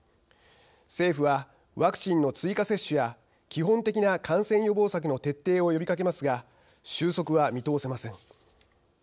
政府は、ワクチンの追加接種や基本的な感染予防策の徹底を呼びかけますが収束は見通せません。